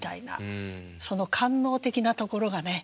その官能的なところがね。